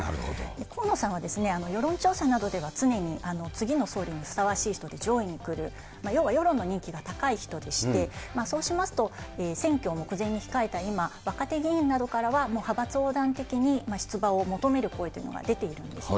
河野さんは、世論調査などでは常に次の総理にふさわしい人で上位にくる、要は世論の人気が高い人でして、そうしますと、選挙を目前に控えた今、若手議員などからはもう派閥横断的に出馬を求める声というのが出ているんですね。